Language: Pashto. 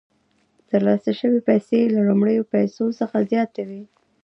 ترلاسه شوې پیسې له لومړنیو پیسو څخه زیاتې وي